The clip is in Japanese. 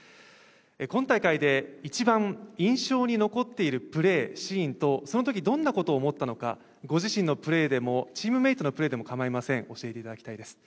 今大会で、一番印象に残っているプレー、シーンとそのときどんなことを思ったのかご自身のプレーでもチームメイトのプレーでも構いません、教えてほしいです。